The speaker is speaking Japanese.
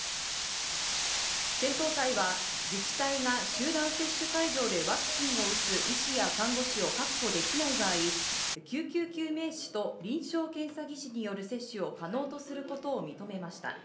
検討会は自治体が集団接種会場でワクチンを打つ医師や看護師を確保できない場合、救急救命士と臨床検査技師による接種を可能とすることを認めました。